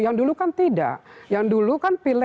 yang dulu kan tidak yang dulu kan